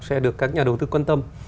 sẽ được các nhà đầu tư quan tâm